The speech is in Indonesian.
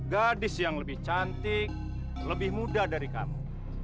gadis yang lebih cantik lebih muda dari kamu